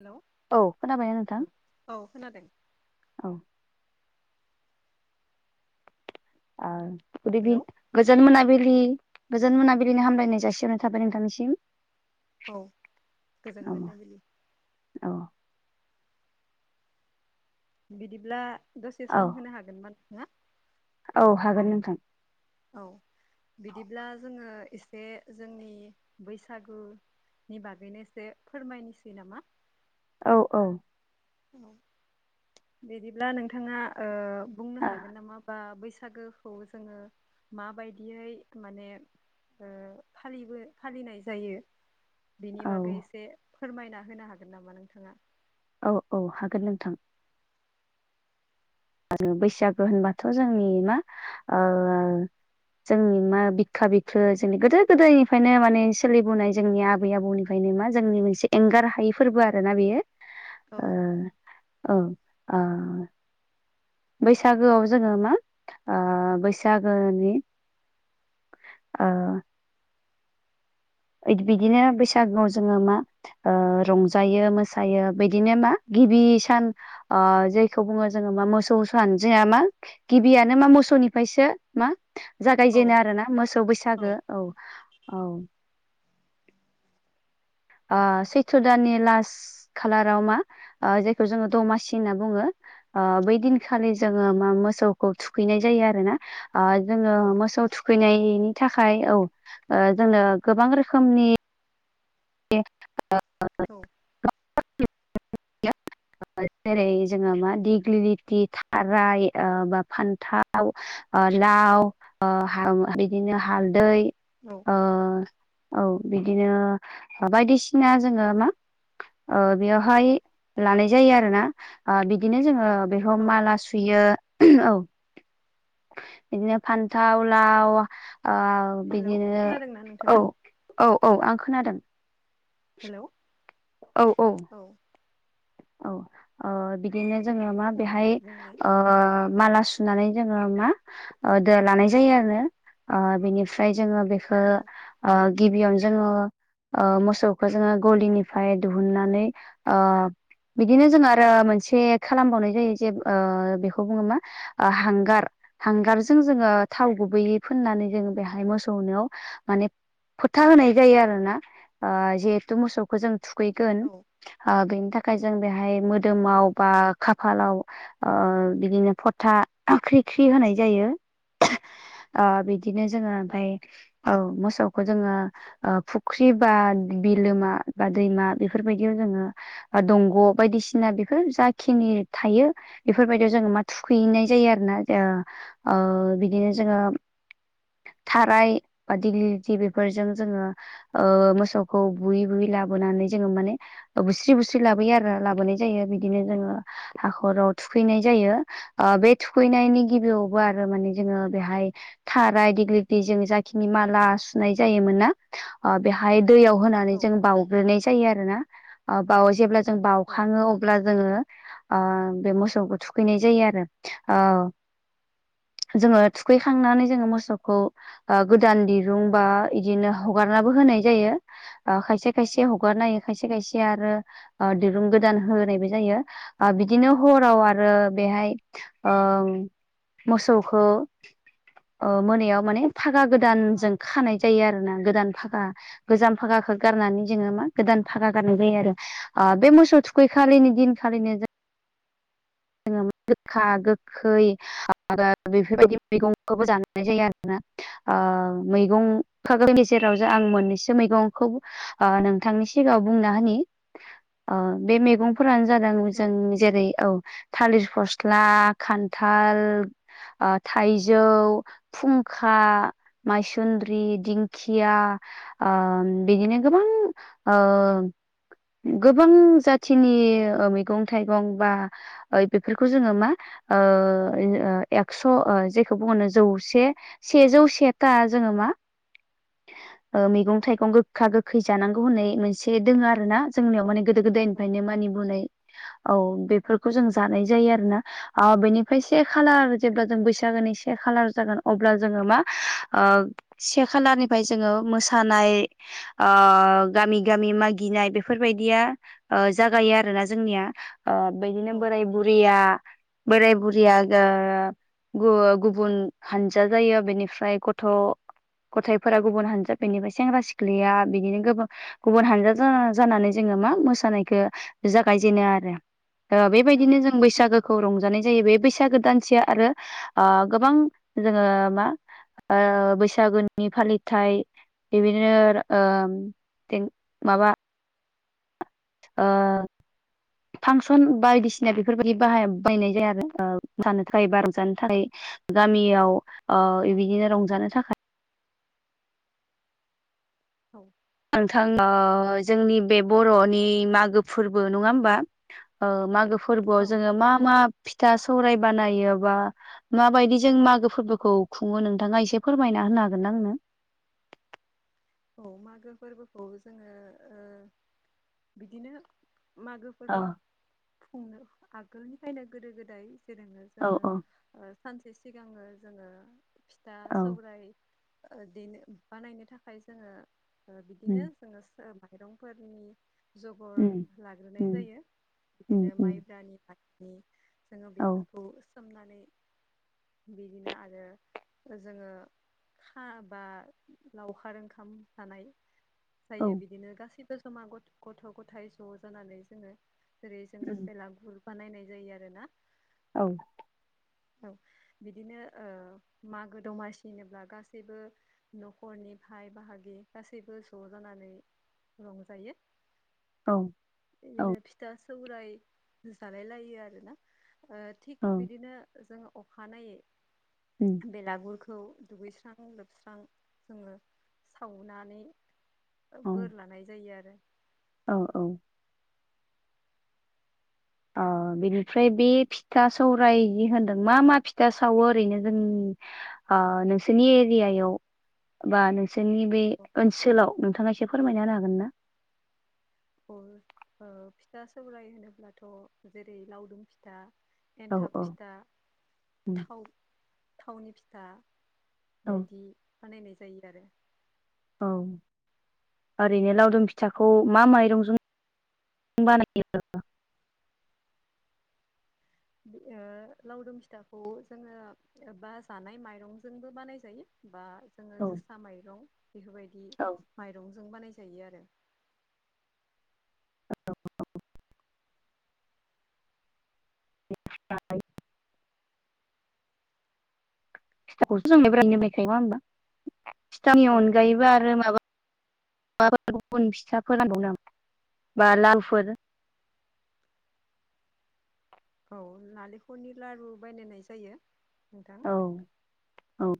Hello औ खोनाबाय नोंथां औ खोनादों औ ओ गुद इभि हेलौ गोजोन मोनाबिलि गोजान मोनाबिलि बिलिनि हामलायनाय जासिहरनाय थाबाय नोंथांनिसिम औ गोजोन औ मोनाबिलि औ बिदिब्ला दसे औ सम होनो हागोनमोन ना औ हागोन नोंथां औ बिदिब्ला जोङो एसे जोंनि बैसागु नि बागैनोसे फोरमायनोसै नामा औ औ औ बिदिब्ला नोंथाङा ओ बुंनो आ हागोन नामा बा बैसागोखौ जोङो माबायदियै माने ओ फालिबो फालिनाय जायो बिनि औ बागै एसे फोरमायना होनो हागोन नामा नोंथाङा औ औ हागोन नोंथां आरो बैसागो होनबाथ' जोंनि मा ओ जोंनि मा बिखा बिख्लो जोंनि गोदो गोदायनिफ्रायनो माने सोलिबोनाय जोंनि आबै आबौ निफ खायनो मा जोंनि मोनसे एंगार हायै फोरबो आरो ना बेयो औ ओ औ ओ बैसागोआव जोङो मा ओ बैसागोनि ओ इदि बिदिनो बैसागुआव जोङो मा ओ रंजायो मोसायो बिदिनो मा गिबि सान ओ जायखौ बुङो जोङो मा मोसौ सान जोया मा गिबियानो मा मोसौनिफायसो मा औ जागायजेनो आरोना मोसौ बैसागो औ औ ओ सैथ्र' दाननि लास खालाराव मा ओ जायखौ जोङो दमासि होनना बुङो ओ बै दिनखालि जोङो मा मोसौखौ थुखैनाय जायो आरोना ओ जोङो मोसौ थुखैनायनि थाखाय औ ओ जोंनो गोबां रोखोमनि [inaudible] औ जेरै जोङो मा दिग्लिलिथि थाराय ओ बा फान्थाव ओ लाव ओ हा बिदिनो हालदै औ ओ औ बिदिनो बायदिसिना जोङो मा ओ बेयावहाय लानाय जायो आरो ना ओ बिदिनो जोङो बेखौ औ माला सुयो औ बिदिनो फान्थाव लाव ओ हेलौ बिदिनो खोनादोंना औ नोंथाङा औ औ आं खोनादों हेलौ औ औ औ औ ओ बिदिनो जोङो मा औ दे बेहाय बुंलाय ओ माला सुनानै जोङो मा ओ दो लानाय जायो आरो ओ बेनिफ्राय जोङो बेफ ओ औ ओ गिबियावनो जोङो ओ मोसौखौ जोङो गलिनिफाय दोहुननानै ओ बिदिनो जों आरो मोनसे खालामबावनाय जायो जे ओ बेखौ बुङो मा ओ हांगार हांगारजों जोङो थाव गुबैयै फुननानै जोङो बेहाय मोसौनिआव माने फोथा होनाय जायो आरोना जिहेथु मोसौ खौ जों थुखैगोन औ ओ बेनि थाखाय जों बेहाय मोदोमाव उम बा खाफालाव बिदिनो फथा ख्रि ख्रि होनाय जायो। ओ बिदिनो जोंङो औ ओमफफ्राय औ मोसौखौ जोंङो ओ फुख्रि बा बिलोमा बा दैमा बेफोरबायदियाव जोंङो बा दंग' बायदिसिना बेफोर जाखिनि थायो बेफोरबायदियाव जोंङो मा थुखैहैनाय जायो आरोना ओ बिदिनो जोंङो थाराय बा दिग्लिलिथि बेफोरजों जोंङो ओ मोसौखौ बुयै बुयै लाबोनानै जोंङो माने बुस्रि बुस्रि सस्रि लाबोयो आरो लाबोनाय जायो बिदिनो जोंङो हाखराव थुखैनाय जायो। ओ बे थुखैनायनि गिबियावबो आरो माने जोंङो बेहाय थाराय दिग्लिलिथि जों जाखिनि माला सुनाय जायोमोन ना बेहाय दैयाव होनानै औ जों बाउग्रोनाय जायो आरो ना बाव जेब्ला जों औ बावउखाङो अब्ला जोंङो बे मोसौखौ थुखैनाय जायो आरो ओ जोंङो थुखैखांनानै जोंङो मोसौखौ गोदान दिरुं बा बिदिनो हगारनाबो होनाय जायो। खायसे खायसे औ हगारनायो खायसे खायसे आरो दिरुं गोदान होनायबो जायो बिदिनो हराव आरो बेहाय ओ मोसौखौ ओ मोनायाव माने फागा गोदानजों खानाय जायो आरो ना गोदान फागा गोजाम भागाखौ गारनानै जोङो मा गोदान भागा गानहोनाय जायो आरो बे मोसौ थुखै खालिनि दिनखालिनो जोङो गोखा गोखै खै बेफोरबायदि मैगंखौबो जानायनाय जायो आरोना ओ मैगं खागनि गेजेराव ज आं मोननैसो मैगंखौ नोंथांनि सिगाङाव बुंना होनि बे मैगं फोरानो जादों जों जेरै औ थालिरि फस्ला खान्थाल ओ थाइजौ फुंखा माइसुन्द्रि दिंखिया बिदिनो गोबां ओ गोबां जाथिनि मैगं ओ थाइगं बा बेफोरखौ जोङो मा एक्स' जेखौ बुङोनो जौसे सेजौ सेथा जोंङो मा मैगं थाइगं गोखा गोखै जानांगौ होननाय मोनसे दोङो आरो ना जोंनियाव माने गोदो औ गोदायनिफ्रायनो मानिबोनाय औ बेफोरखौ जों जानाय जायो आरोना ओ बेनिफ्राय से खालार जेब्ला जों बैसागोनि से खालार जागोन अब्ला जोंङो मा से खालारनिफ्राय जोंङो मोसानाय ओ गामि गामि मागिनाय बेफोरबायदिया ओ जागायो आरोना जोंनिया ओ बिदिनो बोराय बुरैया बोराय बुरैआ ओ गुबुन हानजा जायो बेनिफ्राय गथ' गथाइफोरा गुबुन हानजा। निफ्राय सेंग्रा सिख्लाया बिदिनो गोबां गुबुन हानजा जानानै जोंङो मा मोसानायखौ जागायजेनो आरो बेबायदिनो जों बैसागोखौ रंजानाय जायो बे बैसागो दानसेया आरो ओ गोबां जोंङो मा बैसागुनि फालिथाय बेबायदिनो ओ माबा फांसन ब बायदिसिना बेफोरबायदि बाह बायनाय जाया आरो ओ जानो थाखाय बा रंजानो थाखाय गामियाव ओ औ बिदिनो रंजानो थाखाय औ नोंथां जोंनि बे बर'नि मागो फोरबो नङा होमबा मागो फोरबोआव औ जोंङो मा मा फिथा सौराय बानायो बा माबायदि जों मागो फोरबोखौ खुङो नोंथाङा एसे फोरमायना होनो हागोन ना आंनो। औ मागो फोरबोखौ जोङो ओ बिदिनो मागो अ फोरबो खुंनो आगोलनिफ्रायनो गोदो गोदाय जेरोनो औ जोङो औ सानसे सिगाङो जोङो फिथा औ सौरायाइ देनो बानायनो थाखाय जोङो बिदिनो उम जोङो माइरंफोरनि उम जगर लाग्रोनाय उम जायो उम बिदिनो उम माइब्रानि मानि जोङो औ बेफोरखौ सोमनानै बिदिनो आरो जोङो हा बा लाव खार ओंखाम जानाय औ जायो बिदिनो गासैबो जमा ग गथ' गथायाइ ज' जानानै जोङो जेरै जों उम बेलागुर बानायनाय जायो आरो ना। औ औ बिदिनो ओ मागो दमासि होनोब्ला गासैबो न'खरनि बाइ बाहागि गासैबो ज' जानानै रंजायो। औ औ इदिनो फिथा सौराय जालाय लायो आरोना ओ थिग औ बिदिनो जों अखानायै उम बेलागुरखौ दुगैस्रां लोबस्रां जोङो सावनानै औ बोर लानाय जायो आरो औ औ अ बिनिफ्राय बे फिथा सौराय जि होनदों मा मा फिथा सावो ओरैनो जों आ नोंसोरनि एरियायाव बा नोंसोरनि बे ओनसोलाव नोंथाङा एसे फोरमायना होनो हागोन ना। अ ओ फिथा सौराय होनोब्लाथ' जेरै लावदुम फिथा औ एन्थाब औ फिथा उम थाव थावनि फिथा औ बिदि बानायनाय जायो आरो औ ओरैनो लावदुम फिथाखौ मा माइरंजों बानायो ओ लावदुम फिथाखौ जोङो बा जानाय माइरंजोंबो बानाय जायो बा जोङो औ जोसा माइरं बेफोरबायदि औ माइरंजों बानायजायो आरो [inaudible] [inaudible] फिथाखौसो जों [unintelligible] नंआ होनबा फिथानि औ अनगायैबो आरो माबा [unintelligible] बा लारुफोर औ नालेंखलनि लारु बायनाय जायो नोंथां औ औ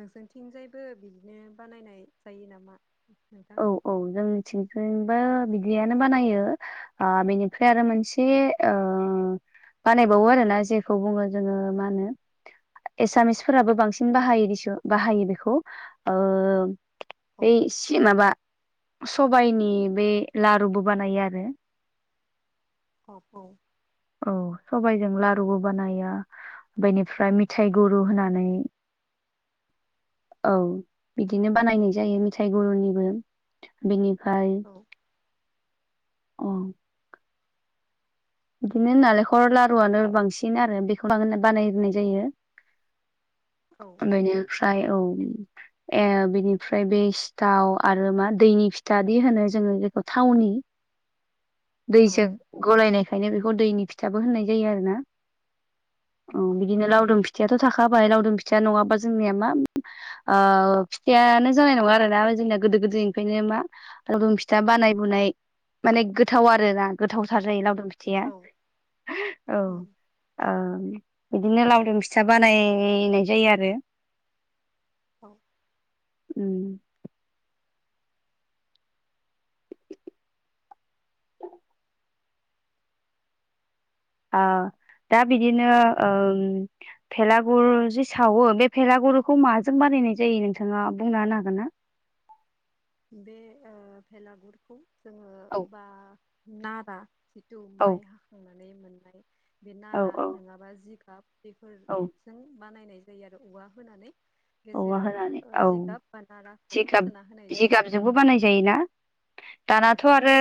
नोंसोरथिंजायबो बिदिनो बानायनाय जायो नामा नोंथां औ औ जों थिंथिंबो बिदियानो बानायो बेनिफ्राय आरो मोनसे से बानायबावो आरोना जेखौ बुङो जोङो मा होनो एसामिसफोराबो बांसिन बाहायो दिसु बाहायो बेखौ ओ औ बै सि माबा सबाइनि बे लारुबो बानायो आरो [unintelligible] औ सबाइजों लारुबो बानायो बेनिफ्राय मिथाइ गुरु होनानै औ बिदिनो बानायनाय जायो मिथाइ गुरुनिबो बेनिफ्राय औ अ बिदिनो नालेंखर लारुआनो बांसिन आरो बेखौ बानायनाय जायो। औ बेनिफ्राय औ ए बिनिफ्राय बे सिथाव आरो मा दैनि फिथाादि होनो जोङो बेेखौ थावनि औ दैजों गलायनाय ओंखायनो बेखौ दैनि फिथाबो होननाय जायो आरो ना औ उम बिदिनो लावदुम फि थायाथ' थाखाबाय लावदुम फिथिया नङाबा जोंनिया मा ओ फिथायानो जानाय नङा आरोना जोंनिया गोदो गोदायनिफ्रायनो मा लावदुम फिथा बानाय बुनाय माने गोथाव आरो ना। गोथाव थार औ जायो लावदुम फिथिया औ औ उम ओम बिदिनो लावदुम फिथा बानायनाय जायो आरो औ। उम ओ दा बिदिनो ओम भेलागुर जि सावो बे भेलागुरखौ माजों बानायनाय जायो नोंथाङा बुंना होनो हागोन ना? बे ओ भेलागुरखौ जोङो औ बा नारा जिथु औ माइ हाखांनानै मोननाय बे औ नारा औ नङाबा जिगाब बेफोर औ जों बानायनाय जायो आरो औवा होनानै औवा गेजेराव होनानै ओ औ जिगाब बा नाराखौ जिगाब सोना होनाय जायो आरो जिगाबजोंबो बानाय जायोना औ दानाथ' आरो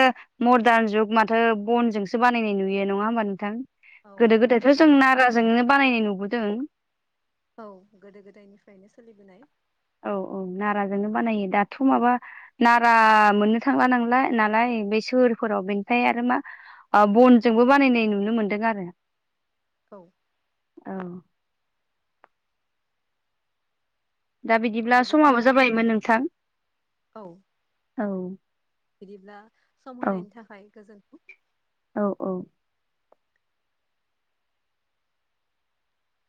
मर्डान जुग माथो बनजोंसो बानायनाय नुयो नङा होमबा नोंथां। औ गोदो गोदायथ' औ जों नाराजोंनो बानायनाय नुबोदों औ गोदो गोदायनिफ्रायनो सोलिबोनाय औ औ नाराजोंनो बानायो दाथ' माबा नारा मोननो थांला नांलाय नालाय बे सोहोरफोराव बेनिफ्राय आरो मा बनजोंबो बानायनाय नुनो मोन्दों आरो। औ। औ। दा बिदिब्ला समाबो जाबायमोन नोंथां औ औ बिदिब्ला सम औ होनायनि थाखाय गोजोनथों औ औ।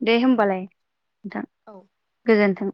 दे होबालाय नोंथां। औ। गोजोन्थों।